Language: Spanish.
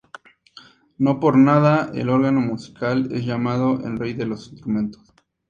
No por nada, el órgano musical es llamado el "rey de los instrumentos".